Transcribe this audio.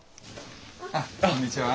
あっこんにちは。